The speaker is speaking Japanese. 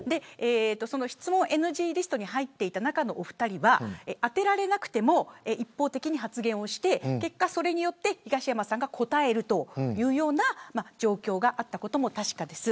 質問ＮＧリストに入っていた中のお二人は当てられなくても一方的に発言をした結果それに東山さんが答えるというような状況があったことも確かです。